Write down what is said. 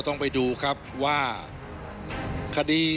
ตรวจ